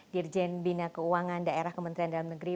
dirjen bina keuangan daerah kementerian dalam negeri